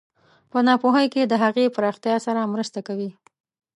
په ناپوهۍ کې د هغې پراختیا سره مرسته کوي.